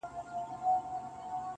o په رڼا كي يې پر زړه ځانمرگى وسي.